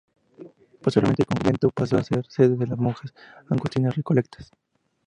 Posteriormente el convento paso a ser sede de las monjas Agustinas Recoletas.